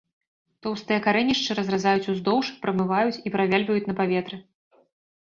Тоўстыя карэнішчы разразаюць уздоўж, прамываюць і правяльваюць на паветры.